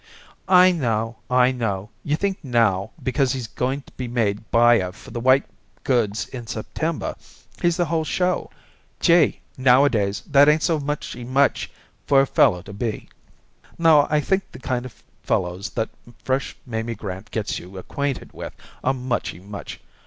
"I know. I know. You think now because he's going to be made buyer for the white goods in September he's the whole show. Gee! nowadays that ain't so muchy much for a fellow to be." "No, I think the kind of fellows that fresh Mamie Grant gets you acquainted with are muchy much.